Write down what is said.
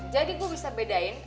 jadi gue bisa bedain